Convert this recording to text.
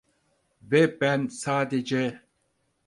Ve ben sadece…